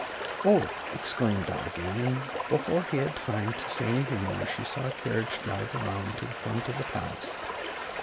"Oh!" exclaimed Dot again, and before he had time to say anything more she saw a carriage drive around to the front of the palace.